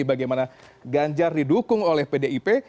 bagaimana ganjar didukung oleh pdip